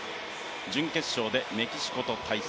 準決勝でメキシコと対戦。